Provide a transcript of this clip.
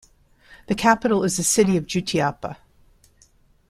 The capital is the city of Jutiapa.